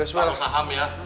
taruh saham ya